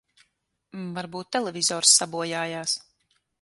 Varbūt televizors sabojājās.